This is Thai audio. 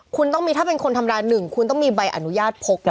คุณต้องมีถ้าเป็นคนธรรมดา๑คุณต้องมีใบอนุญาตพกนะ